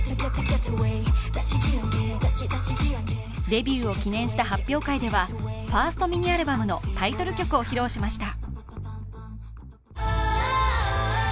デビューを記念した発表会ではファーストミニアルバムのタイトル曲を披露しました。